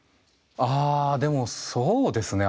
あでもそうですね